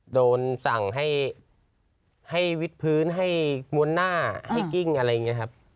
โดนสั่งให้วิดพื้นให้มวลหน้าให้กิ้งอะไรอย่างนี้ครับ